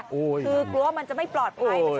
คือกลัวว่ามันจะไม่ปลอดภัย